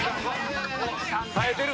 耐えてる。